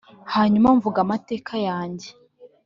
hanyuma mvuga amateka yanjye